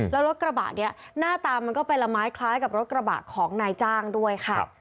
แล้วรถกระบะนี้หน้าตามันก็ไปละไม้คล้ายกับรถกระบะของนายจ้างด้วยค่ะ